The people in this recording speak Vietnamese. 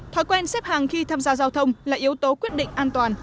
thói quen xếp hàng khi tham gia giao thông là yếu tố quyết định an toàn